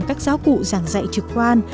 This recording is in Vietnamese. các giáo cụ giảng dạy trực quan